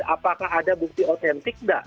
apakah ada bukti otentik tidak